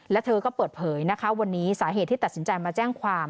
และเธอก็เปิดเผยนะคะวันนี้สาเหตุที่ตัดสินใจมาแจ้งความ